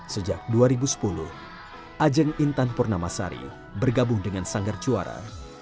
sejak dua ribu sepuluh ajeng intan purnamasari bergabung dengan sanggar juara